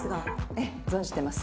ええ存じてます